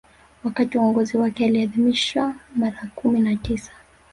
Wakati wa uongozi wake aliadhimisha mara kumi na tisa